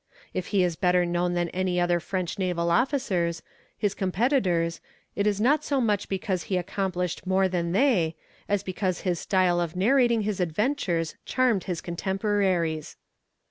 If he is better known than many other French naval officers, his competitors, it is not so much because he accomplished more than they, as because his style of narrating his adventures charmed his contemporaries.